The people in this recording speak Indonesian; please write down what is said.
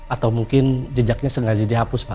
atau mungkin jejaknya sengaja dihapus pak